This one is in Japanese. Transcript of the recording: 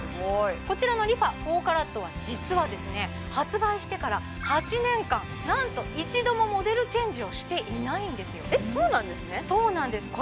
こちらのＲｅＦａ４ＣＡＲＡＴは実はですね発売してから８年間なんと１度もモデルチェンジをしていないんですよえっそうなんですね